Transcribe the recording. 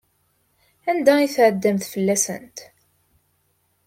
Anda ay tetɛeddamt fell-asent?